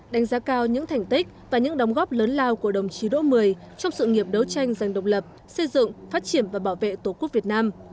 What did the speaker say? đánh giá cao những thành tích và những đóng góp lớn lao của đồng chí đỗ mười trong sự nghiệp đấu tranh giành độc lập xây dựng phát triển và bảo vệ tổ quốc việt nam